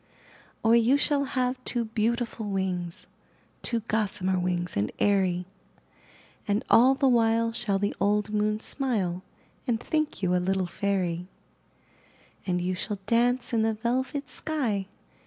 IN THE NURSERY Or, you shall have two beautiful wings — Two gossamer wings and airy, And all the while shall the old moon smile And think you a little fairy; And you shall dance in the velvet sky.